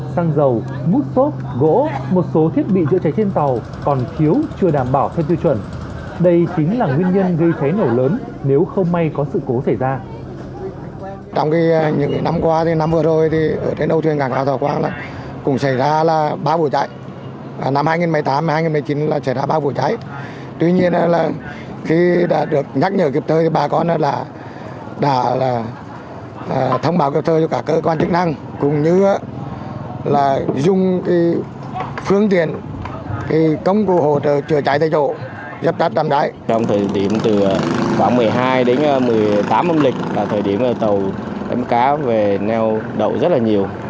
trong thời điểm từ khoảng một mươi hai đến một mươi tám âm lịch là thời điểm tàu đánh cá về neo đậu rất là nhiều